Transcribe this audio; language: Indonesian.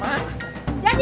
mak jadi begini